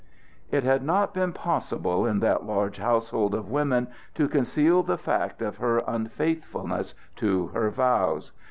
It had not been possible in that large household of women to conceal the fact of her unfaithfulness to her vows.